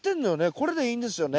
これでいいんですよね？